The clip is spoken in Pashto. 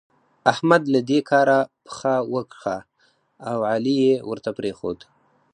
احمد له دې کاره پښه وکښه او علي يې ورته پرېښود.